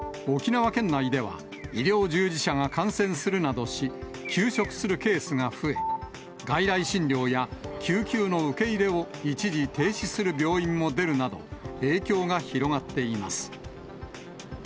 沖縄県内では、医療従事者が感染するなどし、休職するケースが増え、外来診療や救急の受け入れを一時停止する病院も出るなど、影響が広がっています。